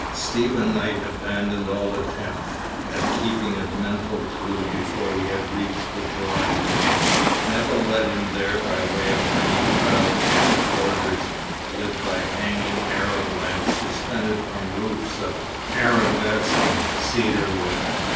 Stephen Knight abandoned all attempt at keeping a mental clue before he had reached the drawing room. Nevill led him there by way of many tile paved corridors, lit by hanging Arab lamps suspended from roofs of arabesqued cedar wood.